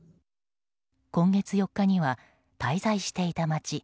今月４日には滞在していた街